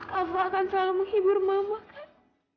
aku akan selalu menghibur mama kan